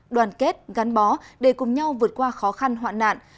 đoàn kết gắn bó để cùng nhau vượt qua khó khăn hoạn nạn